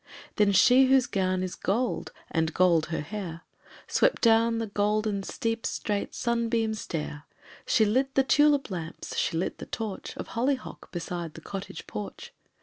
Then she whose gown is gold, and gold her hair, Swept down the golden steep straight sunbeam stair, She lit the tulip lamps, she lit the torch Of hollyhock beside the cottage porch.